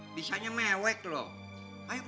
aki paling gak demen kalau lo ngurung aja di kamar